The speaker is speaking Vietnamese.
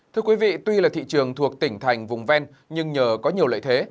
thưa quý vị tuy là thị trường thuộc tỉnh thành vùng ven nhưng nhờ có nhiều lợi thế